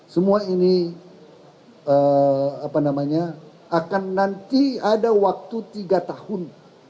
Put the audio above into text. semua ini akan nanti ada waktu tiga tahun